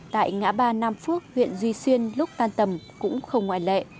tại ngã ba nam phước huyện duy xuyên lúc tan tầm cũng không ngoại lệ